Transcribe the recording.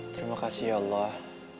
terima kasih ya allah